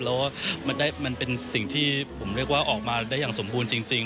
แล้วว่ามันเป็นสิ่งที่ผมเรียกว่าออกมาได้อย่างสมบูรณ์จริง